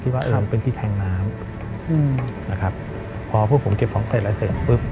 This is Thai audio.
คิดว่ามันเป็นที่แทงงน้ำพอพวกผมเก็บของเศร้าและเสร็จ